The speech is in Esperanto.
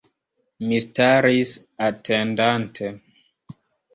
Mi staris, atendante.